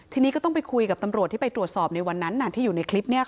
ทีนี้ก็ต้องไปคุยกับตำรวจที่ไปตรวจสอบในวันนั้นที่อยู่ในคลิปนี้